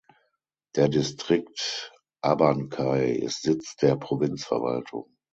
Der Distrikt Abancay ist Sitz der Provinzverwaltung.